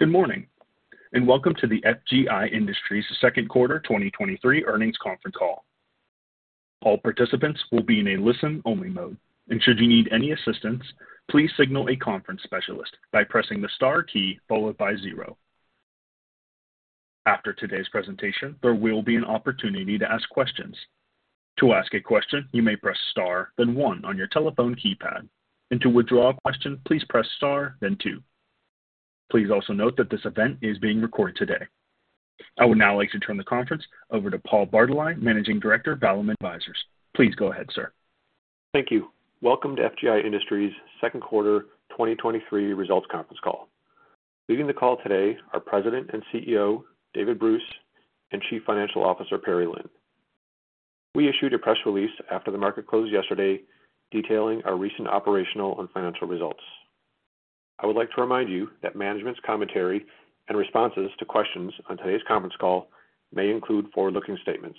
Good morning, welcome to the FGI Industries Second Quarter 2023 Earnings Conference Call. All participants will be in a listen-only mode, and should you need any assistance, please signal a conference specialist by pressing the star key followed by zero. After today's presentation, there will be an opportunity to ask questions. To ask a question, you may press star, then one on your telephone keypad, and to withdraw a question, please press star, then two. Please also note that this event is being recorded today. I would now like to turn the conference over to Paul Bartolai, Managing Director, Vallum Advisors. Please go ahead, sir. Thank you. Welcome to FGI Industries Second Quarter 2023 Results Conference Call. Leading the call today are President and CEO, David Bruce, and Chief Financial Officer, Perry Lin. We issued a press release after the market closed yesterday, detailing our recent operational and financial results. I would like to remind you that management's commentary and responses to questions on today's conference call may include forward-looking statements,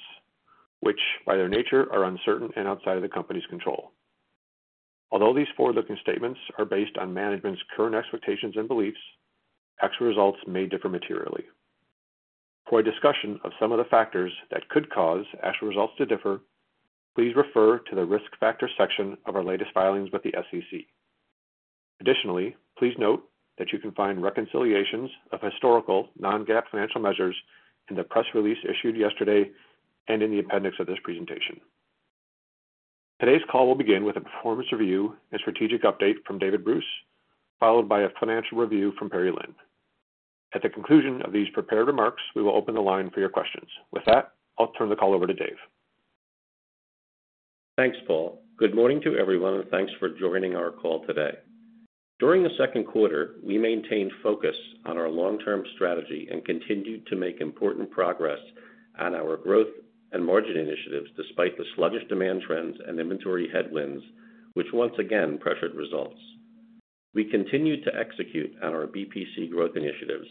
which, by their nature, are uncertain and outside of the Company's control. These forward-looking statements are based on management's current expectations and beliefs, actual results may differ materially. For a discussion of some of the factors that could cause actual results to differ, please refer to the Risk Factors section of our latest filings with the SEC. Additionally, please note that you can find reconciliations of historical non-GAAP financial measures in the press release issued yesterday and in the appendix of this presentation. Today's call will begin with a performance review and strategic update from David Bruce, followed by a financial review from Perry Lin. At the conclusion of these prepared remarks, we will open the line for your questions. With that, I'll turn the call over to Dave. Thanks, Paul. Good morning to everyone, and thanks for joining our call today. During the second quarter, we maintained focus on our long-term strategy and continued to make important progress on our growth and margin initiatives, despite the sluggish demand trends and inventory headwinds, which once again pressured results. We continued to execute on our BPC growth initiatives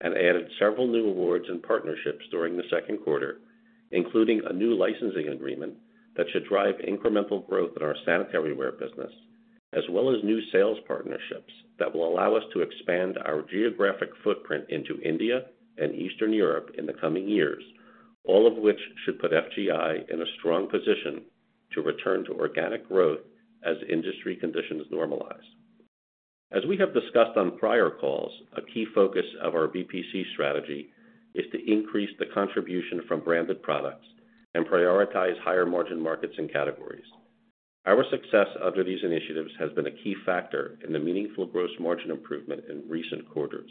and added several new awards and partnerships during the second quarter, including a new licensing agreement that should drive incremental growth in our sanitaryware business, as well as new sales partnerships that will allow us to expand our geographic footprint into India and Eastern Europe in the coming years, all of which should put FGI in a strong position to return to organic growth as industry conditions normalize. As we have discussed on prior calls, a key focus of our BPC strategy is to increase the contribution from branded products and prioritize higher-margin markets and categories. Our success under these initiatives has been a key factor in the meaningful gross margin improvement in recent quarters.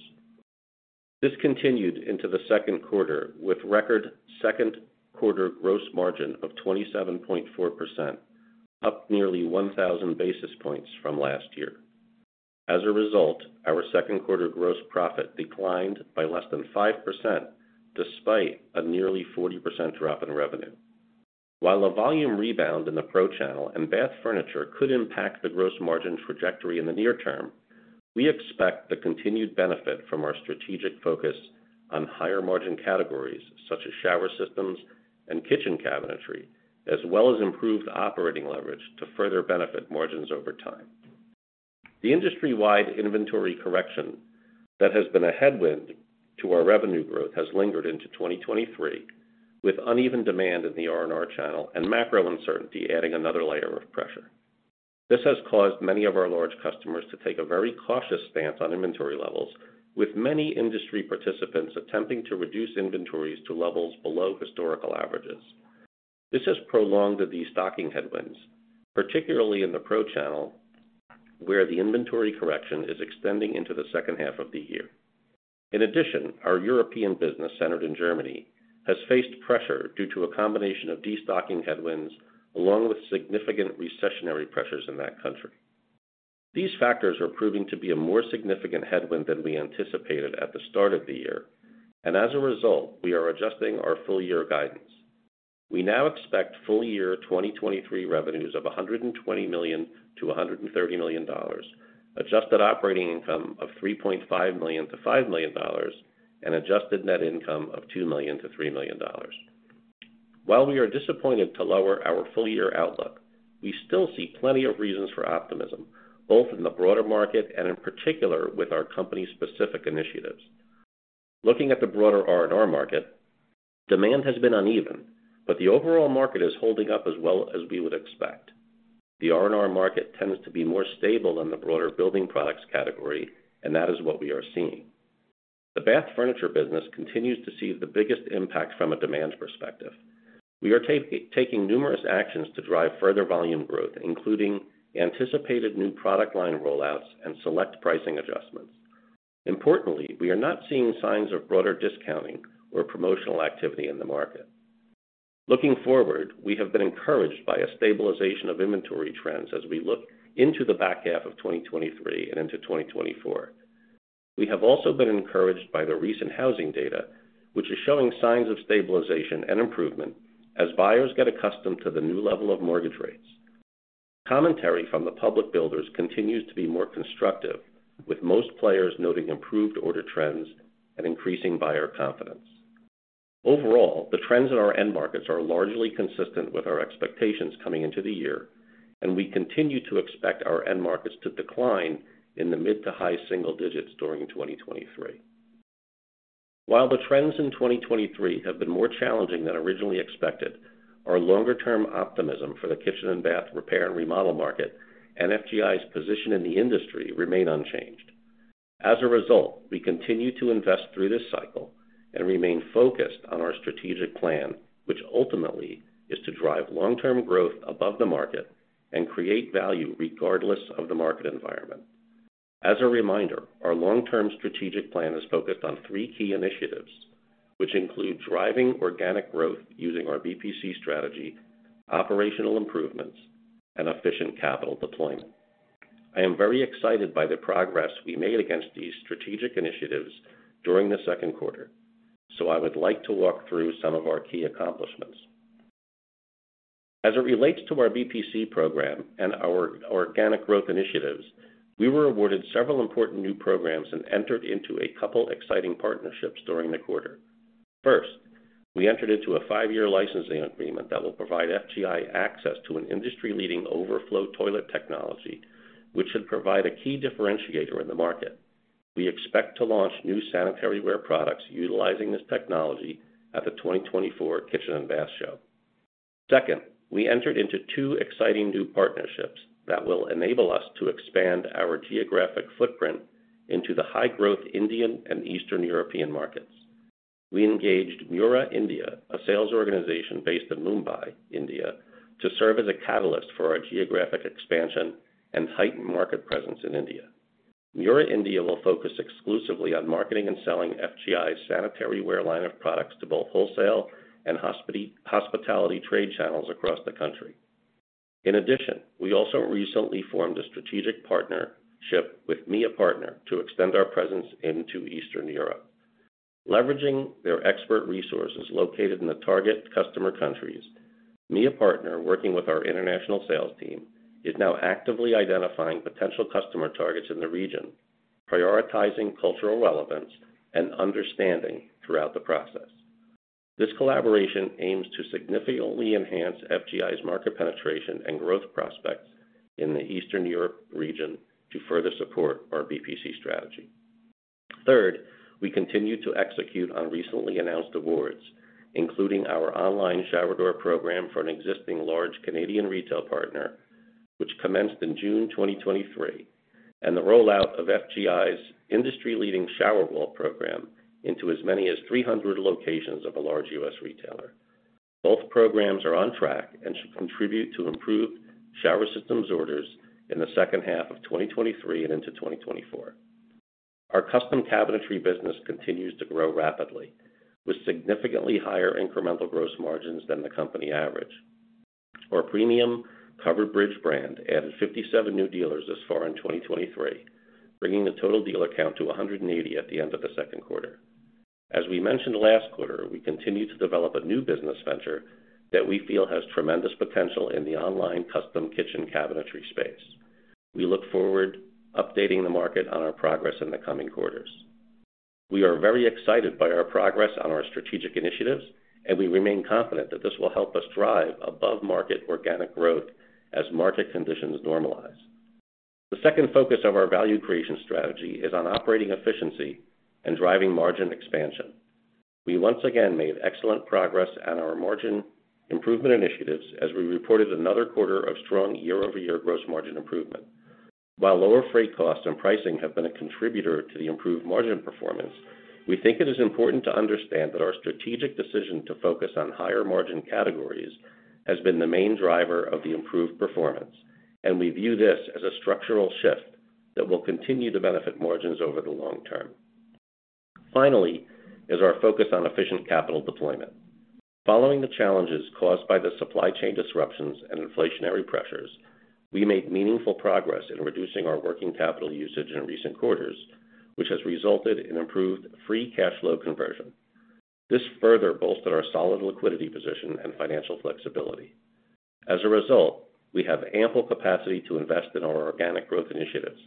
This continued into the second quarter, with record second quarter gross margin of 27.4%, up nearly 1,000 basis points from last year. As a result, our second quarter gross profit declined by less than 5%, despite a nearly 40% drop in revenue. While a volume rebound in the pro channel and bath furniture could impact the gross margin trajectory in the near term, we expect the continued benefit from our strategic focus on higher-margin categories, such as shower systems and kitchen cabinetry, as well as improved operating leverage to further benefit margins over time. The industry-wide inventory correction that has been a headwind to our revenue growth has lingered into 2023, with uneven demand in the R&R channel and macro uncertainty adding another layer of pressure. This has caused many of our large customers to take a very cautious stance on inventory levels, with many industry participants attempting to reduce inventories to levels below historical averages. This has prolonged the destocking headwinds, particularly in the pro channel, where the inventory correction is extending into the second half of the year. In addition, our European business, centered in Germany, has faced pressure due to a combination of destocking headwinds, along with significant recessionary pressures in that country. These factors are proving to be a more significant headwind than we anticipated at the start of the year, and as a result, we are adjusting our full-year guidance. We now expect full-year 2023 revenues of $120 million-$130 million, adjusted operating income of $3.5 million-$5 million, and adjusted net income of $2 million-$3 million. While we are disappointed to lower our full-year outlook, we still see plenty of reasons for optimism, both in the broader market and in particular with our company-specific initiatives. Looking at the broader R&R market, demand has been uneven. The overall market is holding up as well as we would expect. The R&R market tends to be more stable than the broader building products category. That is what we are seeing. The bath furniture business continues to see the biggest impact from a demand perspective. We are taking numerous actions to drive further volume growth, including anticipated new product line rollouts and select pricing adjustments. Importantly, we are not seeing signs of broader discounting or promotional activity in the market. Looking forward, we have been encouraged by a stabilization of inventory trends as we look into the back half of 2023 and into 2024. We have also been encouraged by the recent housing data, which is showing signs of stabilization and improvement as buyers get accustomed to the new level of mortgage rates. Commentary from the public builders continues to be more constructive, with most players noting improved order trends and increasing buyer confidence. Overall, the trends in our end markets are largely consistent with our expectations coming into the year, and we continue to expect our end markets to decline in the mid-to-high single digits during 2023. While the trends in 2023 have been more challenging than originally expected, our longer-term optimism for the kitchen and bath repair and remodel market and FGI's position in the industry remain unchanged. As a result, we continue to invest through this cycle and remain focused on our strategic plan, which ultimately is to drive long-term growth above the market and create value regardless of the market environment. As a reminder, our long-term strategic plan is focused on three key initiatives, which include driving organic growth using our BPC strategy, operational improvements, and efficient capital deployment. I am very excited by the progress we made against these strategic initiatives during the second quarter. I would like to walk through some of our key accomplishments. As it relates to our BPC program and our organic growth initiatives, we were awarded several important new programs and entered into a couple exciting partnerships during the quarter. First, we entered into a five-year licensing agreement that will provide FGI access to an industry-leading overflow toilet technology, which should provide a key differentiator in the market. We expect to launch new sanitaryware products utilizing this technology at the 2024 Kitchen and Bath Show. Second, we entered into two exciting new partnerships that will enable us to expand our geographic footprint into the high-growth Indian and Eastern European markets. We engaged Mera India, a sales organization based in Mumbai, India, to serve as a catalyst for our geographic expansion and heightened market presence in India. Mera India will focus exclusively on marketing and selling FGI's sanitaryware line of products to both wholesale and hospitality trade channels across the country. In addition, we also recently formed a strategic partnership with MIA Partner to extend our presence into Eastern Europe. Leveraging their expert resources located in the target customer countries, MIA Partner, working with our international sales team, is now actively identifying potential customer targets in the region, prioritizing cultural relevance and understanding throughout the process. This collaboration aims to significantly enhance FGI's market penetration and growth prospects in the Eastern Europe region to further support our BPC strategy. Third, we continue to execute on recently announced awards, including our online shower door program for an existing large Canadian retail partner, which commenced in June 2023, and the rollout of FGI's industry-leading shower wall program into as many as 300 locations of a large U.S. retailer. Both programs are on track and should contribute to improved shower systems orders in the second half of 2023 and into 2024. Our custom cabinetry business continues to grow rapidly, with significantly higher incremental gross margins than the company average. Our premium Covered Bridge brand added 57 new dealers this far in 2023, bringing the total dealer count to 180 at the end of the second quarter. As we mentioned last quarter, we continue to develop a new business venture that we feel has tremendous potential in the online custom kitchen cabinetry space. We look forward to updating the market on our progress in the coming quarters. We are very excited by our progress on our strategic initiatives, and we remain confident that this will help us drive above-market organic growth as market conditions normalize. The second focus of our value creation strategy is on operating efficiency and driving margin expansion. We once again made excellent progress on our margin improvement initiatives, as we reported another quarter of strong year-over-year gross margin improvement. While lower freight costs and pricing have been a contributor to the improved margin performance, we think it is important to understand that our strategic decision to focus on higher-margin categories has been the main driver of the improved performance, and we view this as a structural shift that will continue to benefit margins over the long term. Finally, is our focus on efficient capital deployment. Following the challenges caused by the supply chain disruptions and inflationary pressures, we made meaningful progress in reducing our working capital usage in recent quarters, which has resulted in improved free cash flow conversion. This further bolstered our solid liquidity position and financial flexibility. As a result, we have ample capacity to invest in our organic growth initiatives.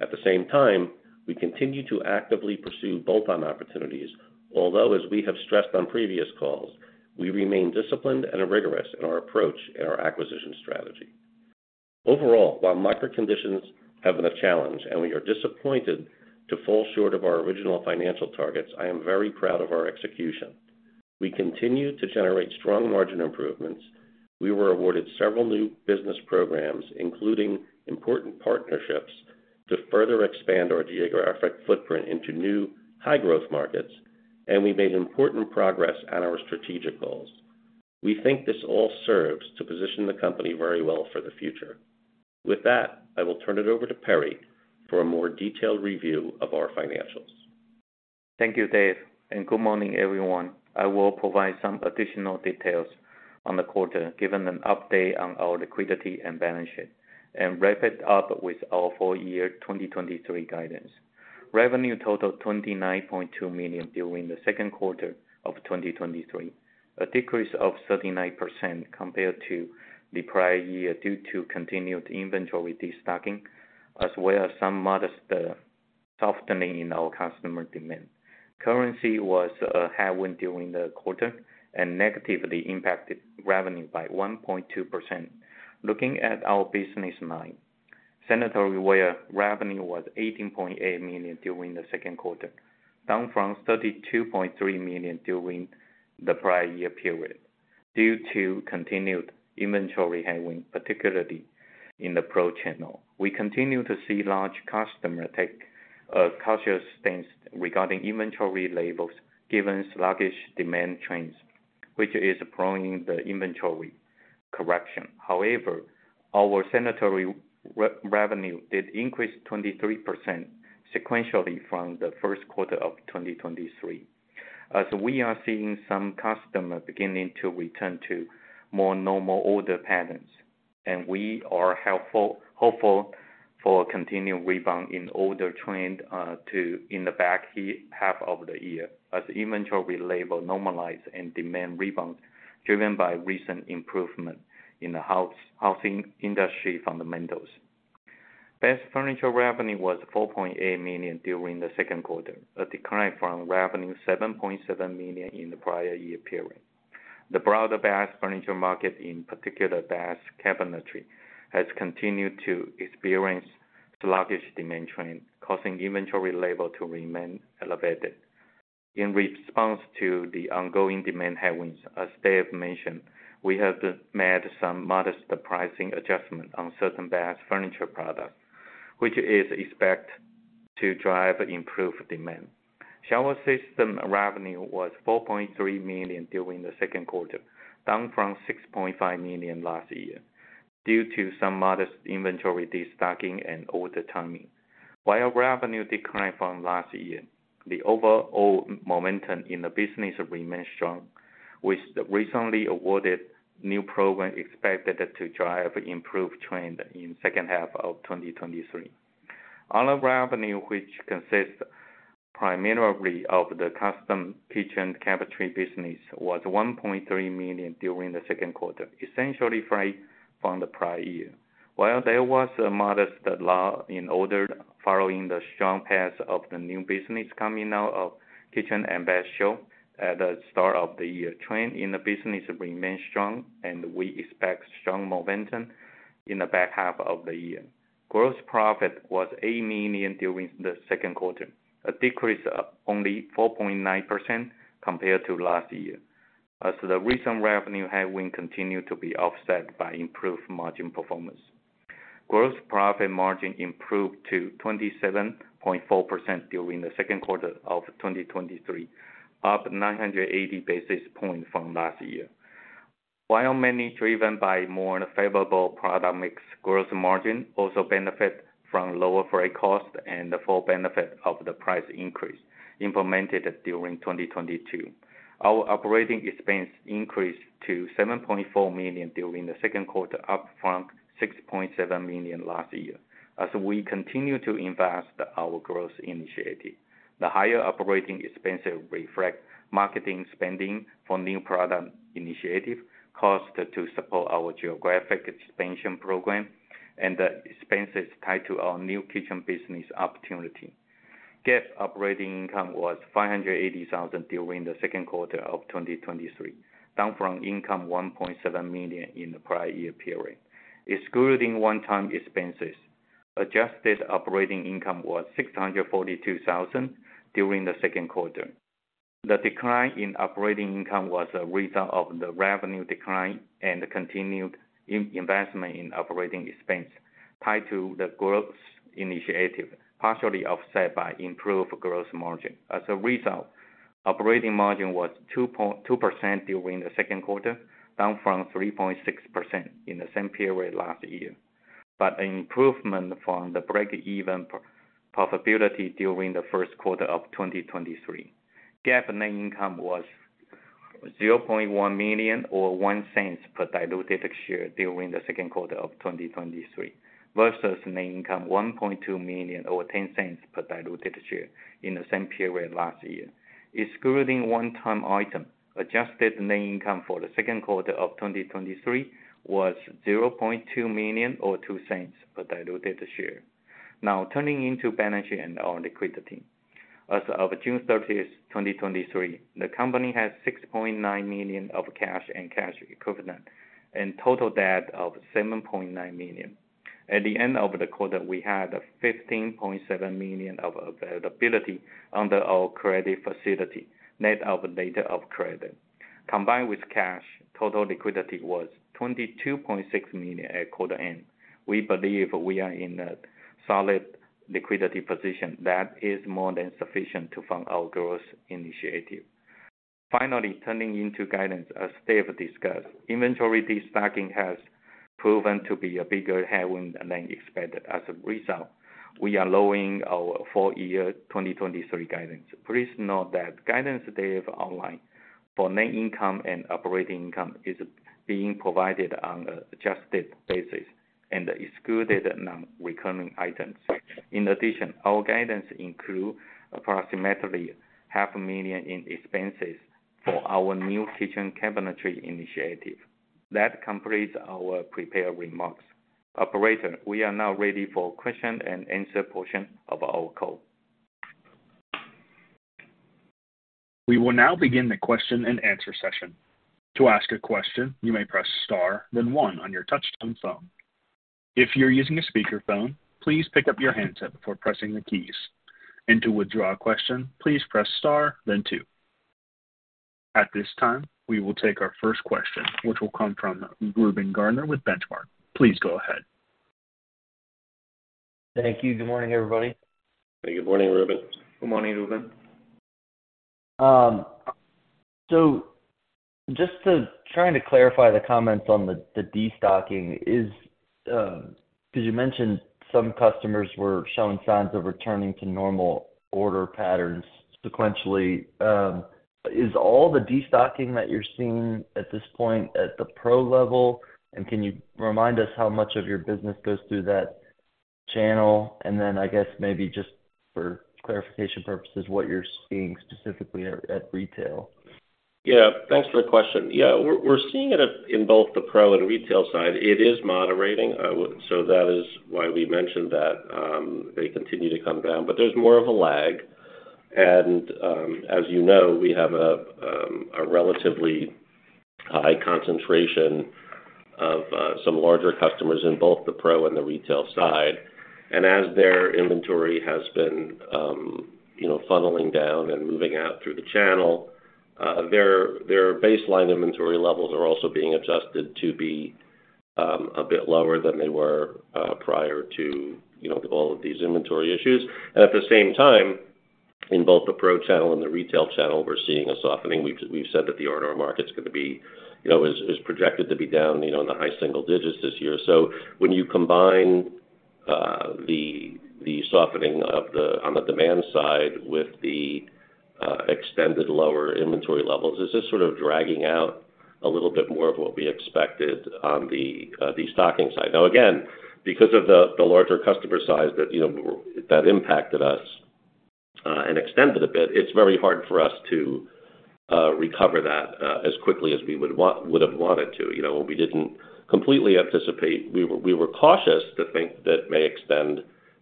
At the same time, we continue to actively pursue bolt-on opportunities, although, as we have stressed on previous calls, we remain disciplined and rigorous in our approach and our acquisition strategy. Overall, while market conditions have been a challenge, and we are disappointed to fall short of our original financial targets, I am very proud of our execution. We continue to generate strong margin improvements. We were awarded several new business programs, including important partnerships, to further expand our geographic footprint into new, high-growth markets, and we made important progress on our strategic goals. We think this all serves to position the company very well for the future. With that, I will turn it over to Perry for a more detailed review of our financials. Thank you, Dave. Good morning, everyone. I will provide some additional details on the quarter, given an update on our liquidity and balance sheet, and wrap it up with our full year 2023 guidance. Revenue totaled $29.2 million during the second quarter of 2023, a decrease of 39% compared to the prior year due to continued inventory destocking, as well as some modest softening in our customer demand. Currency was high wind during the quarter and negatively impacted revenue by 1.2%. Looking at our business line, sanitaryware revenue was $18.8 million during the second quarter, down from $32.3 million during the prior year period, due to continued inventory having, particularly in the pro channel. We continue to see large customer take cautious stance regarding inventory levels, given sluggish demand trends, which is prone in the inventory correction. However, our sanitaryware revenue did increase 23% sequentially from the 1st quarter of 2023. As we are seeing some customers beginning to return to more normal order patterns, and we are hopeful for continued rebound in order trend to in the back half of the year, as inventory levels normalize and demand rebounds, driven by recent improvement in the housing industry fundamentals. bath furniture revenue was $4.8 million during the 2nd quarter, a decline from revenue $7.7 million in the prior year period. The broader bath furniture market, in particular, bath cabinetry, has continued to experience sluggish demand trend, causing inventory levels to remain elevated. In response to the ongoing demand headwinds, as Dave mentioned, we have made some modest pricing adjustment on certain bath furniture products, which is expected to drive improved demand. Shower system revenue was $4.3 million during the second quarter, down from $6.5 million last year, due to some modest inventory destocking and order timing. While revenue declined from last year, the overall momentum in the business remains strong, with the recently awarded new program expected to drive improved trend in second half of 2023. Other revenue, which consists primarily of the custom kitchen cabinetry business, was $1.3 million during the second quarter, essentially flat from the prior year. While there was a modest lull in orders following the strong path of the new business coming out of Kitchen & Bath Show at the start of the year, trend in the business remains strong, and we expect strong momentum in the back half of the year. Gross profit was $8 million during the second quarter, a decrease of only 4.9% compared to last year. As the recent revenue headwind continued to be offset by improved margin performance. Gross profit margin improved to 27.4% during the second quarter of 2023, up 980 basis points from last year. While mainly driven by more favorable product mix, gross margin also benefit from lower freight costs and the full benefit of the price increase implemented during 2022. Our operating expense increased to $7.4 million during the second quarter, up from $6.7 million last year. As we continue to invest our growth initiative, the higher operating expenses reflect marketing spending for new product initiative, cost to support our geographic expansion program, and the expenses tied to our new kitchen business opportunity. GAAP operating income was $580,000 during the second quarter of 2023, down from income $1.7 million in the prior year period. Excluding one-time expenses, adjusted operating income was $642,000 during the second quarter. The decline in operating income was a result of the revenue decline and the continued investment in operating expense tied to the growth initiative, partially offset by improved gross margin. As a result, operating margin was 2.2% during the second quarter, down from 3.6% in the same period last year, but an improvement from the break-even profitability during the first quarter of 2023. GAAP net income was $0.1 million, or $0.01 per diluted share, during the second quarter of 2023, versus net income $1.2 million, or $0.10 per diluted share in the same period last year. Excluding one-time item, adjusted net income for the second quarter of 2023 was $0.2 million, or $0.02 per diluted share. Now, turning into balance sheet and our liquidity. As of June 30, 2023, the company has $6.9 million of cash and cash equivalent and total debt of $7.9 million. At the end of the quarter, we had $15.7 million of availability under our credit facility, net of letter of credit. Combined with cash, total liquidity was $22.6 million at quarter end. We believe we are in a solid liquidity position that is more than sufficient to fund our growth initiative. Finally, turning into guidance, as Dave discussed, inventory destocking has proven to be a bigger headwind than expected. As a result, we are lowering our full year 2023 guidance. Please note that guidance Dave outlined for net income and operating income is being provided on an adjusted basis and excluded non-recurring items. In addition, our guidance include.... approximately $500,000 in expenses for our new kitchen cabinetry initiative. That completes our prepared remarks. Operator, we are now ready for question and answer portion of our call. We will now begin the question-and-answer session. To ask a question, you may press star, then one on your touchtone phone. If you're using a speakerphone, please pick up your handset before pressing the keys. To withdraw a question, please press star, then two. At this time, we will take our first question, which will come from Reuben Garner with Benchmark. Please go ahead. Thank you. Good morning, everybody. Good morning, Reuben. Good morning, Reuben. Just trying to clarify the comments on the destocking, because you mentioned some customers were showing signs of returning to normal order patterns sequentially. Is all the destocking that you're seeing at this point at the pro level? Can you remind us how much of your business goes through that channel? Then I guess maybe just for clarification purposes, what you're seeing specifically at retail. Yeah, thanks for the question. Yeah, we're, we're seeing it at, in both the pro and retail side. It is moderating. That is why we mentioned that they continue to come down, but there's more of a lag. As you know, we have a relatively high concentration of some larger customers in both the pro and the retail side. As their inventory has been, you know, funneling down and moving out through the channel, their baseline inventory levels are also being adjusted to be a bit lower than they were prior to, you know, all of these inventory issues. At the same time, in both the pro channel and the retail channel, we're seeing a softening. We've, we've said that the RMR market is gonna be, you know, is, is projected to be down, you know, in the high single digits this year. When you combine the softening on the demand side with the extended lower inventory levels, this is sort of dragging out a little bit more of what we expected on the destocking side. Again, because of the, the larger customer size that, you know, that impacted us and extended a bit, it's very hard for us to recover that as quickly as we would have wanted to. You know, we didn't completely anticipate... We were, we were cautious to think that may extend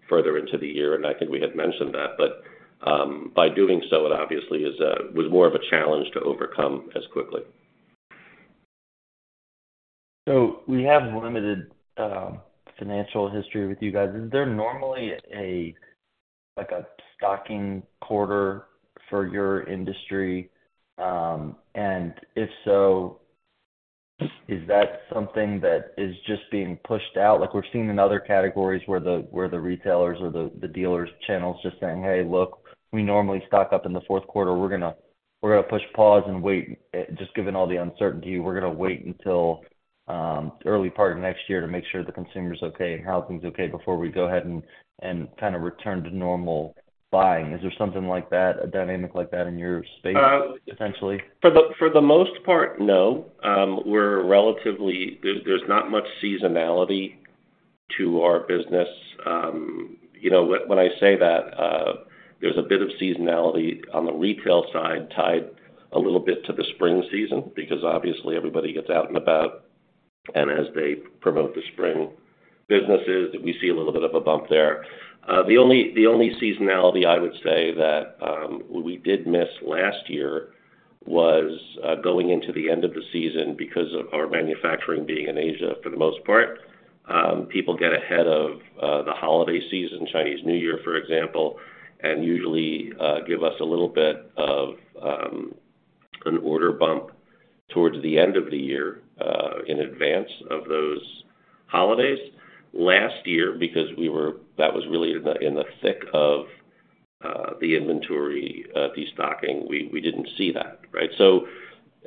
further into the year, and I think we had mentioned that, but, by doing so, it obviously is, was more of a challenge to overcome as quickly. We have limited financial history with you guys. Is there normally a, like a stocking quarter for your industry? If so, is that something that is just being pushed out? Like we're seeing in other categories where the, where the retailers or the, the dealers channels just saying, "Hey, look, we normally stock up in the fourth quarter. We're gonna, we're gonna push pause and wait. Just given all the uncertainty, we're gonna wait until early part of next year to make sure the consumer is okay and housing's okay before we go ahead and, and kind of return to normal buying." Is there something like that, a dynamic like that in your space, essentially? For the most part, no. We're relatively, there's not much seasonality to our business. You know, when I say that, there's a bit of seasonality on the retail side, tied a little bit to the spring season, because obviously everybody gets out and about, and as they promote the spring businesses, we see a little bit of a bump there. The only seasonality I would say that, we did miss last year was, going into the end of the season because of our manufacturing being in Asia, for the most part. People get ahead of, the holiday season, Chinese New Year, for example, and usually, give us a little bit of, an order bump towards the end of the year, in advance of those holidays. Last year, because that was really in the, in the thick of, the inventory, destocking, we, we didn't see that, right?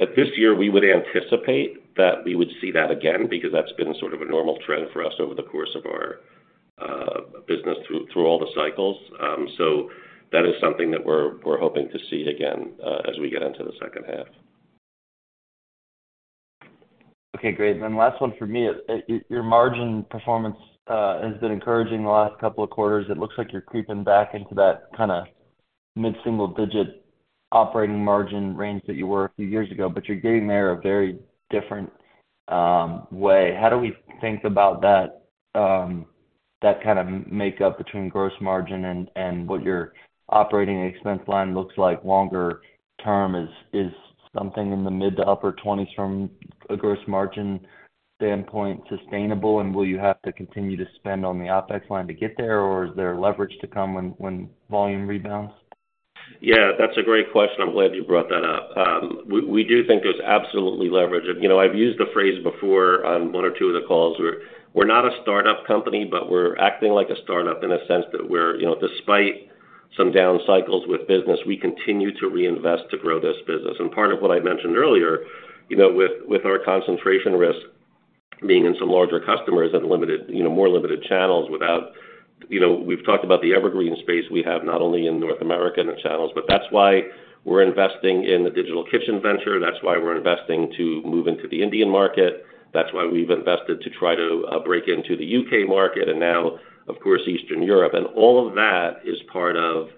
At this year, we would anticipate that we would see that again, because that's been sort of a normal trend for us over the course of our, business through, through all the cycles. So that is something that we're, we're hoping to see again, as we get into the second half. Okay, great. Last one for me. your, your margin performance, has been encouraging the last couple of quarters. It looks like you're creeping back into that kinda mid-single-digit operating margin range that you were a few years ago, but you're getting there a very different way. How do we think about that that kind of makeup between gross margin and, and what your operating expense line looks like longer term? Is, is something in the mid to upper 20s from a gross margin standpoint sustainable? Will you have to continue to spend on the OpEx line to get there, or is there leverage to come when, when volume rebounds? Yeah, that's a great question. I'm glad you brought that up. We, we do think there's absolutely leverage. You know, I've used the phrase before on one or two of the calls. We're, we're not a startup company, but we're acting like a startup in a sense that we're, you know, despite some down cycles with business, we continue to reinvest to grow this business. Part of what I mentioned earlier, you know, with, with our concentration risk being in some larger customers and limited, you know, more limited channels without... You know, we've talked about the evergreen space we have, not only in North America and the channels, but that's why we're investing in the digital kitchen venture. That's why we're investing to move into the Indian market... That's why we've invested to try to break into the U.K. market and now, of course, Eastern Europe. All of that is part of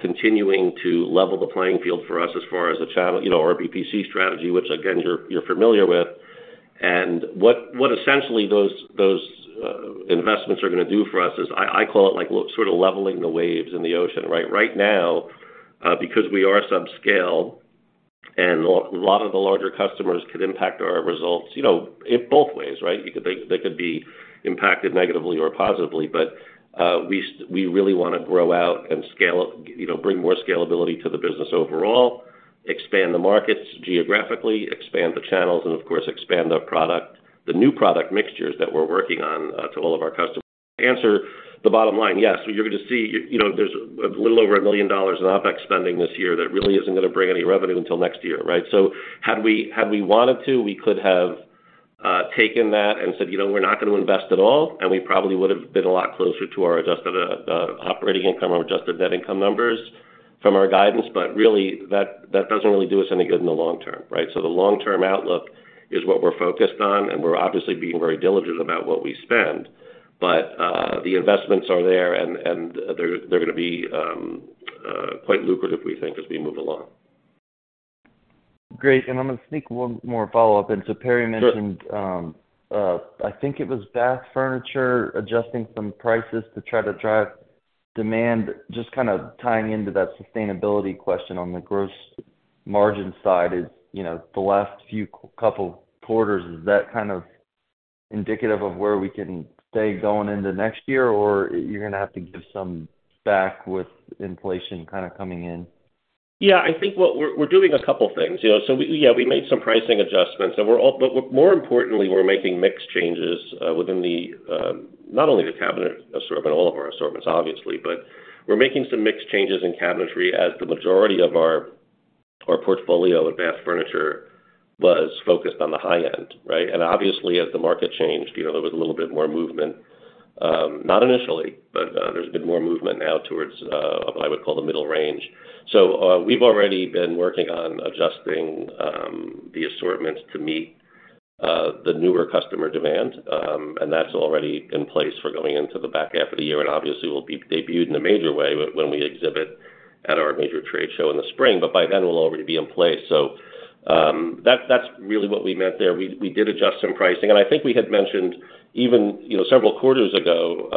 continuing to level the playing field for us as far as the channel, you know, our BPC strategy, which again, you're, you're familiar with. What, what essentially those, those investments are gonna do for us is I, I call it, like, sort of leveling the waves in the ocean, right? Right now, because we are subscale and a lot of the larger customers could impact our results, you know, in both ways, right? They, they could be impacted negatively or positively. We, we really wanna grow out and scale, you know, bring more scalability to the business overall, expand the markets geographically, expand the channels, and of course, expand the product. The new product mixtures that we're working on, to all of our customers. To answer the bottom line, yes, you're going to see, you know, there's a little over $1 million in OpEx spending this year that really isn't gonna bring any revenue until next year, right? Had we, had we wanted to, we could have taken that and said, "You know, we're not gonna invest at all," we probably would have been a lot closer to our adjusted operating income or adjusted net income numbers from our guidance, really, that, that doesn't really do us any good in the long term, right? The long-term outlook is what we're focused on, and we're obviously being very diligent about what we spend. The investments are there, and, and they're, they're gonna be quite lucrative, we think, as we move along. Great. I'm gonna sneak one more follow-up in. Perry mentioned- Sure. I think it was bath furniture, adjusting some prices to try to drive demand. Just kind of tying into that sustainability question on the gross margin side is, you know, the last few couple quarters, is that kind of indicative of where we can stay going into next year, or you're gonna have to give some back with inflation kind of coming in? Yeah, I think we're, we're doing a couple of things. You know, yeah, we made some pricing adjustments, and more importantly, we're making mix changes within the not only the cabinet assortment, all of our assortments, obviously. We're making some mix changes in cabinetry as the majority of our, our portfolio at Bath Furniture was focused on the high end, right? Obviously, as the market changed, you know, there was a little bit more movement, not initially, but there's been more movement now towards what I would call the middle range. We've already been working on adjusting the assortments to meet the newer customer demand, and that's already in place for going into the back half of the year, and obviously, will be debuted in a major way when we exhibit at our major trade show in the spring, but by then it will already be in place. That's, that's really what we meant there. We, we did adjust some pricing, and I think we had mentioned even, you know, several quarters ago,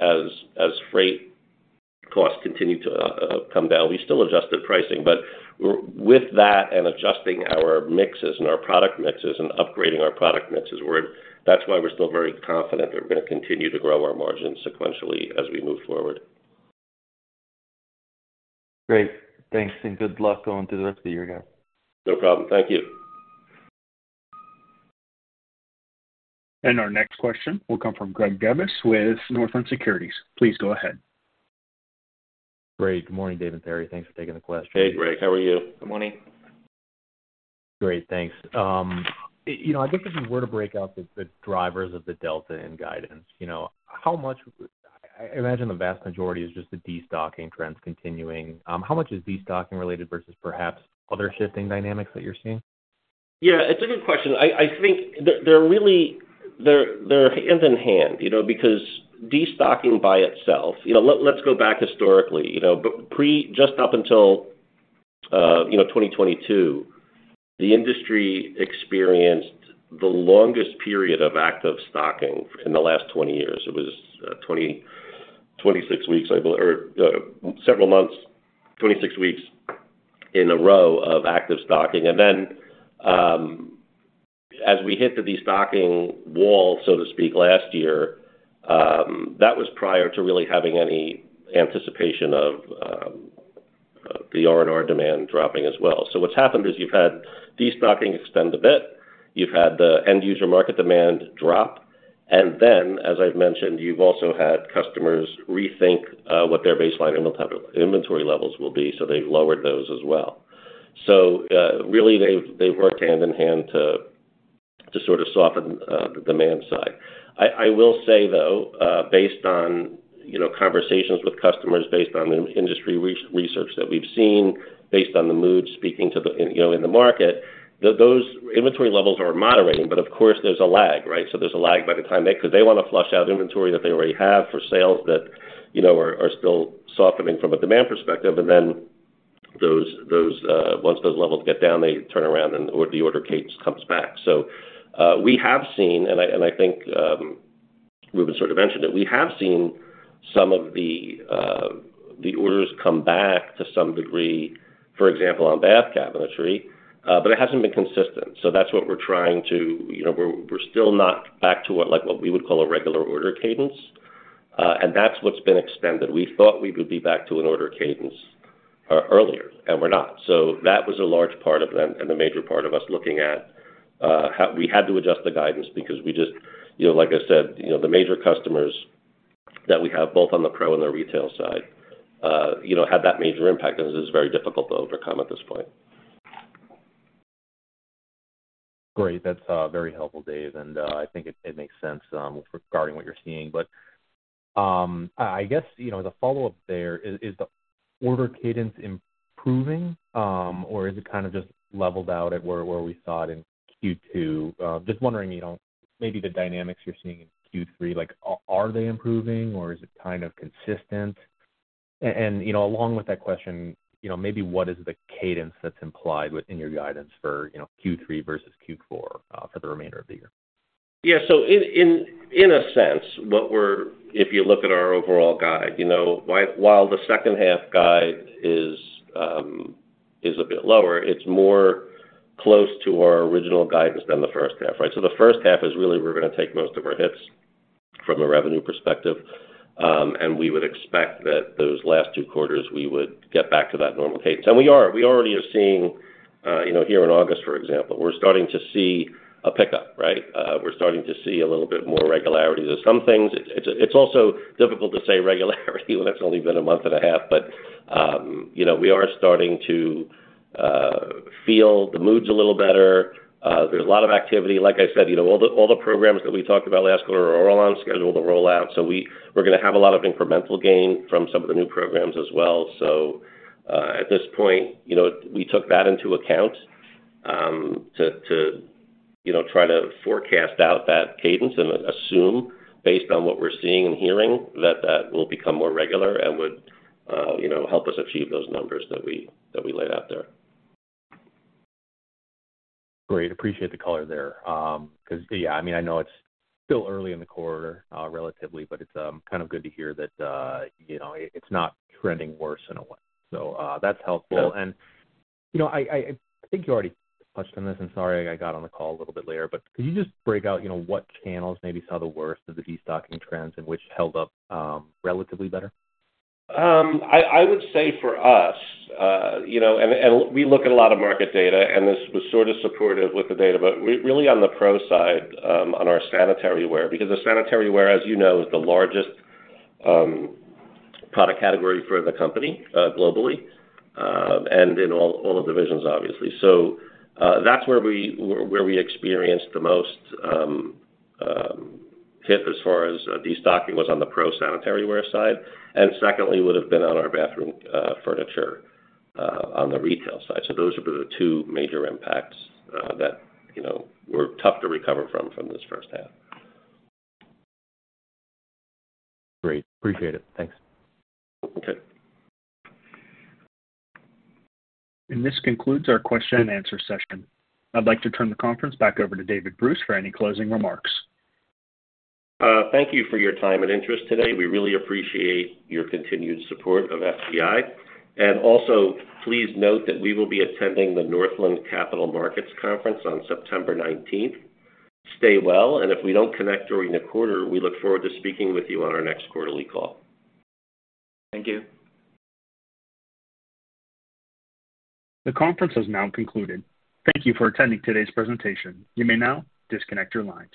as, as freight costs continued to come down, we still adjusted pricing. With that and adjusting our mixes and our product mixes and upgrading our product mixes, that's why we're still very confident that we're gonna continue to grow our margins sequentially as we move forward. Great. Thanks. Good luck going through the rest of the year, guys. No problem. Thank you. Our next question will come from Greg Gibbs with Northland Securities. Please go ahead. Great. Good morning, Dave and Perry. Thanks for taking the question. Hey, Greg. How are you? Good morning. Great. Thanks. You know, I guess if you were to break out the, the drivers of the delta in guidance, you know, I, I imagine the vast majority is just the destocking trends continuing. How much is destocking related versus perhaps other shifting dynamics that you're seeing? Yeah, it's a good question. I, I think they're, they're really, they're, they're hand in hand, you know, because destocking by itself, you know, let, let's go back historically. You know, b- pre-- just up until, you know, 2022, the industry experienced the longest period of active stocking in the last 20 years. It was, 26 weeks, I believe, or, several months, 26 weeks in a row of active stocking. Then, as we hit the destocking wall, so to speak, last year, that was prior to really having any anticipation of the R&R demand dropping as well. What's happened is you've had destocking extend a bit, you've had the end user market demand drop, and then, as I've mentioned, you've also had customers rethink, what their baseline invent-inventory levels will be, so they've lowered those as well. Really, they've, they've worked hand in hand to, to sort of soften, the demand side. I will say, though, based on, you know, conversations with customers, based on the industry research that we've seen, based on the mood, speaking to the, you know, in the market, those inventory levels are moderating, but of course, there's a lag, right? There's a lag by the time they because they want to flush out inventory that they already have for sales that, you know, are, are still softening from a demand perspective. Those, those, once those levels get down, they turn around and the order cadence comes back. We have seen, and I, and I think, Reuben sort of mentioned it, we have seen some of the, the orders come back to some degree, for example, on bath cabinetry, but it hasn't been consistent. That's what we're trying to... You know, we're, we're still not back to what, like, what we would call a regular order cadence, and that's what's been extended. We thought we would be back to an order cadence earlier, and we're not. That was a large part of them and the major part of us looking at how we had to adjust the guidance because we just-- You know, like I said, you know, the major customers that we have, both on the pro and the retail side, you know, had that major impact, and this is very difficult to overcome at this point. Great. That's very helpful, Dave, and I think it, it makes sense regarding what you're seeing. I, I guess, you know, the follow-up there is, is the order cadence improving, or is it kind of just leveled out at where, where we saw it in Q2? Just wondering, you know, maybe the dynamics you're seeing in Q3, like, are, are they improving, or is it kind of consistent? You know, along with that question, you know, maybe what is the cadence that's implied within your guidance for, you know, Q3 versus Q4 for the remainder of the year? Yeah. In, in, in a sense, what we're if you look at our overall guide, you know, while, while the second half guide is, is a bit lower, it's more close to our original guidance than the first half, right? The first half is really we're gonna take most of our hits from a revenue perspective, and we would expect that those last two quarters, we would get back to that normal pace. And we are. We already are seeing, you know, here in August, for example, we're starting to see a pickup, right? We're starting to see a little bit more regularity to some things. It's, it's also difficult to say regularity when it's only been a month and a half, but, you know, we are starting to feel the mood's a little better. There's a lot of activity. Like I said, you know, all the, all the programs that we talked about last quarter are all on schedule to roll out, so we're gonna have a lot of incremental gain from some of the new programs as well. At this point, you know, we took that into account, to, you know, try to forecast out that cadence and assume, based on what we're seeing and hearing, that that will become more regular and would, you know, help us achieve those numbers that we, that we laid out there. Great. Appreciate the color there. 'cause, yeah, I mean, I know it's still early in the quarter, relatively, but it's kind of good to hear that, you know, it's not trending worse in a way. That's helpful. Yeah. you know, I, I, I think you already touched on this, and sorry, I got on the call a little bit later, but could you just break out, you know, what channels maybe saw the worst of the destocking trends and which held up, relatively better? I, I would say for us, you know, and, and we look at a lot of market data, and this was sort of supportive with the data, but really on the pro side, on our sanitaryware, because the sanitaryware, as you know, is the largest product category for the company globally, and in all, all the divisions, obviously. That's where we, where we experienced the most hit as far as destocking was on the pro sanitaryware side, and secondly, would have been on our bath furniture on the retail side. Those are the two major impacts that, you know, were tough to recover from, from this first half. Great. Appreciate it. Thanks. Okay. This concludes our question and answer session. I'd like to turn the conference back over to David Bruce for any closing remarks. Thank you for your time and interest today. We really appreciate your continued support of FGI. Also, please note that we will be attending the Northland Capital Markets conference on September 19th. Stay well, and if we don't connect during the quarter, we look forward to speaking with you on our next quarterly call. Thank you. The conference has now concluded. Thank you for attending today's presentation. You may now disconnect your lines.